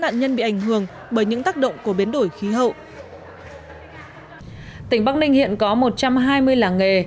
nạn nhân bị ảnh hưởng bởi những tác động của biến đổi khí hậu tỉnh bắc ninh hiện có một trăm hai mươi làng nghề